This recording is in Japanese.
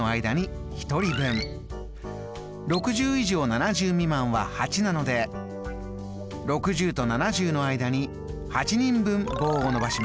６０以上７０未満は８なので６０と７０の間に８人分棒を伸ばします。